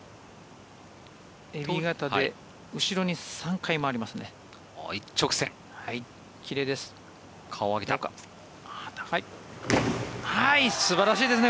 エビ型で後ろに３回回りますね。